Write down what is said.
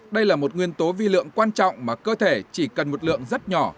đây là một nguyên tố vi lượng quan trọng mà cơ thể chỉ cần một lượng rất nhỏ